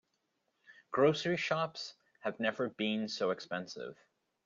Grocery shops have never been so expensive.